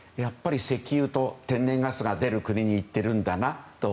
石油と天然ガスが出る国にいっているんだなと。